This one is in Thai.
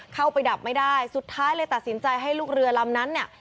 ดับไม่ได้สุดท้ายเลยตัดสินใจให้ลูกเรือลำนั้นเนี่ย